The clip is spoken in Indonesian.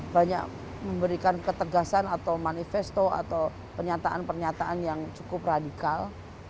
banyak memberikan ketegasan atau manifesto atau pernyataan pernyataan yang cukup radikal